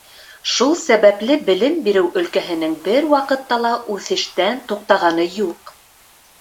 Шул сәбәпле белем биреү өлкәһенең бер ваҡытта ла үҫештән туҡтағаны юҡ.